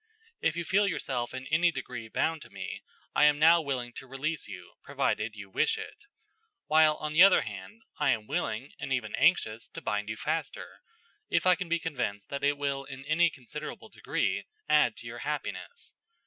If you feel yourself in any degree bound to me, I am now willing to release you, provided you wish it; while, on the other hand, I am willing and even anxious to bind you faster, if I can be convinced that it will in any considerable degree add to your happiness.